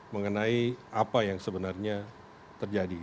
mengenai apa yang sebenarnya terjadi